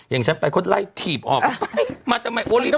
อย่างฉันไปคนไหล่ถีบออกมาแต่ไม่โอลีแฟน